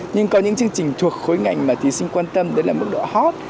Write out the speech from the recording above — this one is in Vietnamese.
nhưng có những chương trình thuộc khối ngành mà thí sinh quan tâm đấy là mức độ hot